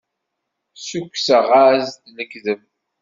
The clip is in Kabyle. Ssukkseɣ-as-d lekdeb.